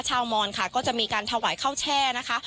มอนค่ะก็จะมีการถวายข้าวแช่นะคะ